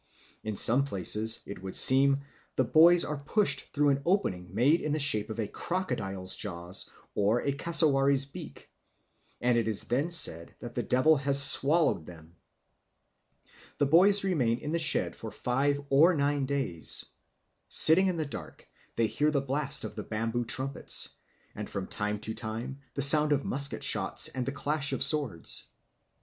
In some places, it would seem, the boys are pushed through an opening made in the shape of a crocodile's jaws or a cassowary's beak, and it is then said that the devil has swallowed them. The boys remain in the shed for five or nine days. Sitting in the dark, they hear the blast of the bamboo trumpets, and from time to time the sound of musket shots and the clash of swords.